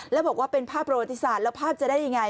แล้วบอกว่าเป็นภาพประวัติศาสตร์แล้วภาพจะได้ยังไง